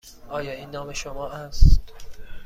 آیا این نام شما است؟